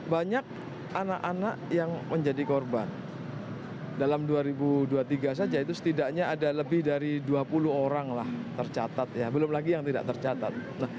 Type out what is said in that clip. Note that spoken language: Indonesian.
banyak anak anak yang menjadi korban dalam dua ribu dua puluh tiga saja itu setidaknya ada lebih dari dua puluh orang lah tercatat ya belum lagi yang tidak tercatat